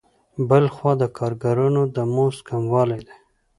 بل خوا د کارګرانو د مزد کموالی دی